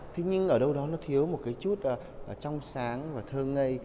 thế nhưng ở đâu đó nó thiếu một cái chút trong sáng và thơ ngây